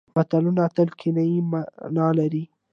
متلونه تل کنايي مانا لري